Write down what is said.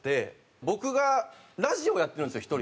僕がラジオやってるんですよ１人で。